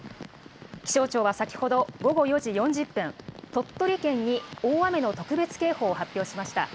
気象庁は先ほど午後４時４０分、鳥取県に大雨の特別警報を発表しました。